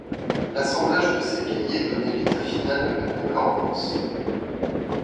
L'assemblage de ses cahiers donnait l'état final de la concordance.